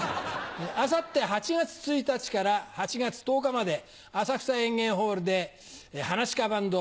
あさって８月１日から８月１０日まで浅草演芸ホールで噺家バンド